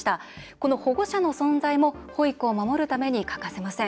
この保護者の存在も保育を守るために欠かせません。